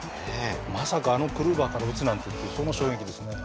まさかあのクルーバーから打つなんてっていうその衝撃ですね。